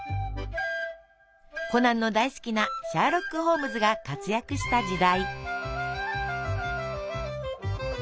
コナンの大好きなシャーロック・ホームズが活躍した時代。